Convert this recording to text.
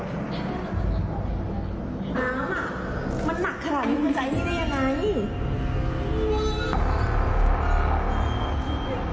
น้ำอ่ะมันหนักขนาดนี้ได้ยังไง